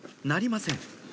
鳴りません